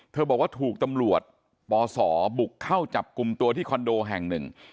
บอกว่าถูกตำรวจปศบุกเข้าจับกลุ่มตัวที่คอนโดแห่งหนึ่ง